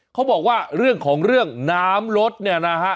เขาบอกว่าเรื่องของเรื่องน้ำลดเนี่ยนะฮะ